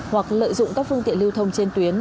hoặc lợi dụng các phương tiện lưu thông trên tuyến